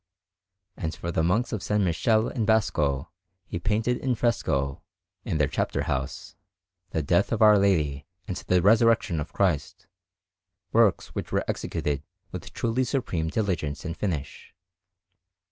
And for the Monks of S. Michele in Bosco he painted in fresco, in their chapter house, the Death of Our Lady and the Resurrection of Christ, works which were executed with truly supreme diligence and finish.